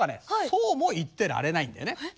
そうも言ってられないんだよね。